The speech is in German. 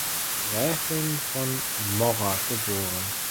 Gräfin von Morra geboren.